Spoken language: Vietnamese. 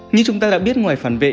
như chúng ta đã biết ngoài phản vệ